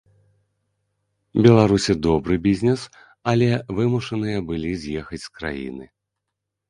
Беларусі добры бізнес, але вымушаныя былі з'ехаць з краіны.